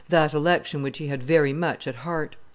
that election which he had very much at heart.